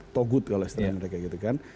togut kalau istilah mereka gitu kan